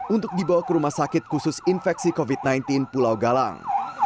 untuk dibawa ke rumah sakit khusus infeksi covid sembilan belas pulau galang